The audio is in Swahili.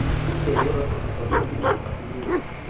pep guardiola akachagua mbinu ya pasi nyingi